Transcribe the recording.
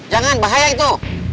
jangan bahaya itu